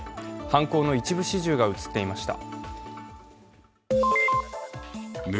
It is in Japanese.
犯行の一部始終が映っていました。